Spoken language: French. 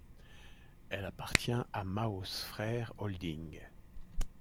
Elle appartient à Maus Frères Holding.